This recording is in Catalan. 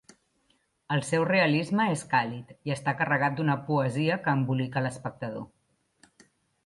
El seu realisme és càlid, i està carregat d'una poesia que embolica a l'espectador.